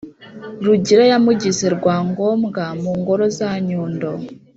rugira yamugize rwangombwa mu ngoro za nyundo.